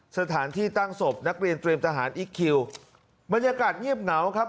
สถานที่ตั้งศพนักเรียนเตรียมทหารอีคคิวบรรยากาศเงียบเหงาครับ